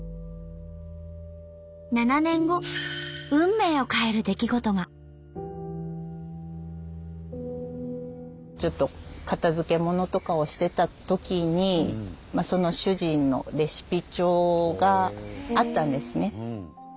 ７年後ちょっと片づけものとかをしてたときにその主人のレシピ帳があったんですね。